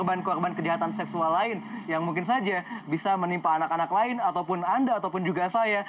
korban korban kejahatan seksual lain yang mungkin saja bisa menimpa anak anak lain ataupun anda ataupun juga saya